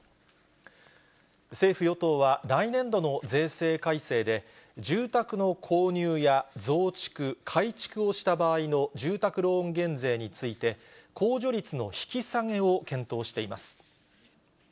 政府・与党は来年度の税制改正で、住宅の購入や増築、改築をした場合の住宅ローン減税について、控除率の引き下げを検討しています。